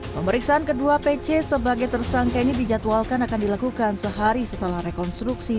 pemeriksaan kedua pc sebagai tersangka ini dijadwalkan akan dilakukan sehari setelah rekonstruksi